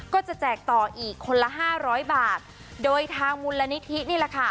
ก็จะแจกต่ออีกคนละ๕๐๐บาทโดยทางมูลนิธินี่แหละค่ะ